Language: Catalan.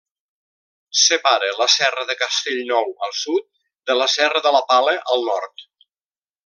Separa la Serra de Castellnou, al sud, de la Serra de la Pala, al nord.